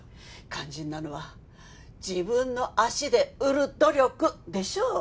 肝心なのは自分の足で売る努力でしょう？